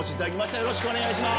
よろしくお願いします。